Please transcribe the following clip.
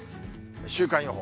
週間予報。